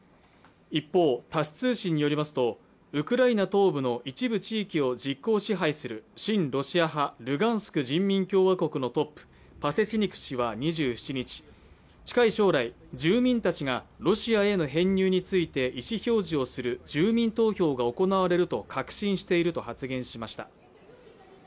一方、タス通信によりますとウクライナ東部の一部地域を実効支配する親ロシア派、ルガンスク人民共和国のトップ、パセチニク氏は２７日近い将来、住民たちがロシアへの編入について意思表示をする住民投票が行われると確信していると発言しました。